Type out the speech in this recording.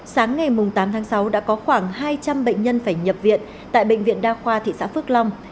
sáng ngày tám tháng sáu đã có khoảng hai trăm linh bệnh nhân phải nhập viện tại bệnh viện đa khoa thị xã phước long